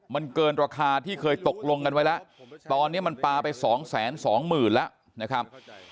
มันเกินราคาที่เคยตกลงกันไว้แล้วตอนนี้มันปลาไปสองแสนสองหมื่นแล้วนะครับ